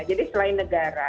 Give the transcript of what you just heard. jadi selain negara